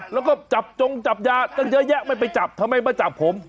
แล้วก็จับจงจับยาตั้งเยอะแยะไม่ไปจับทำไมมาจับผม